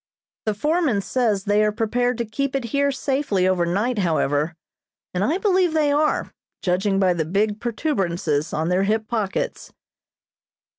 The foreman says they are prepared to keep it here safely over night, however, and I believe they are, judging by the big protuberances on their hip pockets."